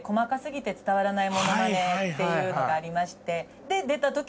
っていうのがありまして。